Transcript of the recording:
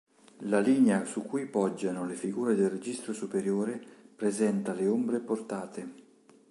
La linea su cui poggiano le figure del registro superiore presenta le ombre portate.